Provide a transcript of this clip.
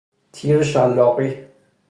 تیر شلاقی